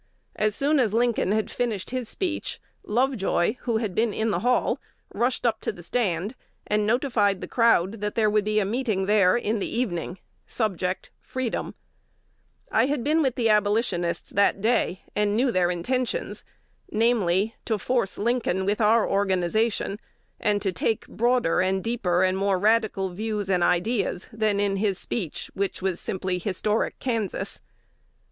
As soon as Lincoln had finished his speech, Lovejoy, who had been in the hall, rushed up to the stand, and notified the crowd that there would be a meeting there in the evening: subject, Freedom. I had been with the Abolitionists that day, and knew their intentions: namely, to force Lincoln with our organization, and to take broader and deeper and more radical views and ideas than in his speech, which was simply Historic Kansas....